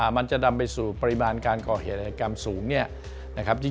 มันจะดำไปสู่ปริมาณการก่อเหตุการณ์สูง